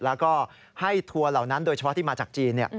แล้วก็ให้ทัวร์เหล่านั้นโดยเฉพาะที่มาจากจีน